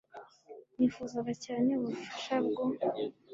nifuzaga cyane ubufasha bwo